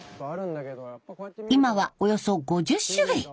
今はおよそ５０種類。